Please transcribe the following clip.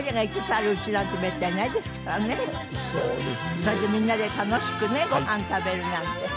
それでみんなで楽しくねごはん食べるなんて。